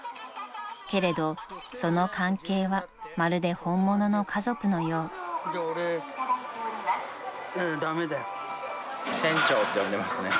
［けれどその関係はまるで本物の家族のよう］って呼んでますね。